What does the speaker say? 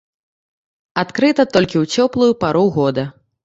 Адкрыта толькі ў цёплую пару года.